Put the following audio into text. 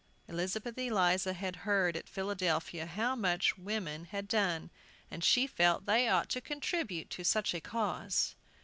Elizabeth Eliza had heard at Philadelphia how much women had done, and she felt they ought to contribute to such a cause.